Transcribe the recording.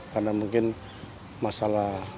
karena mungkin masalah